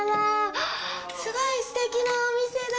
あっ、すごい、すてきなお店だ。